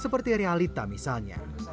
seperti realita misalnya